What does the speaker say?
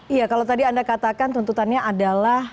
iya kalau tadi anda katakan tuntutannya adalah